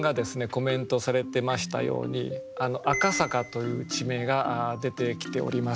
コメントされてましたように「赤坂」という地名が出てきております。